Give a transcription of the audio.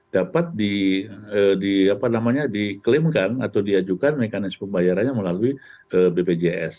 dapat diklaimkan atau diajukan mekanisme pembayarannya melalui bpjs